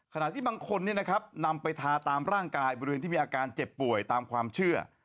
ขณะที่บางคนนำไปทาตามร่างกายบริเวณที่มีอาการเจ็บป่วยตามความเชื่อ